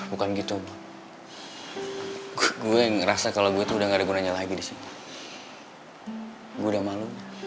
untuk mengharumkan nama baik sekolah